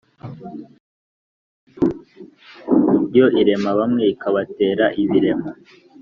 yo irema bamwe ikabatera ibiremo’